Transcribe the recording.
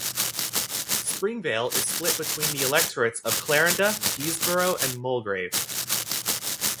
Springvale is split between the electorates of Clarinda, Keysborough and Mulgrave.